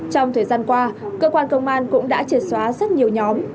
trong thời gian qua cơ quan công an cũng đã triệt xóa rất nhiều nhóm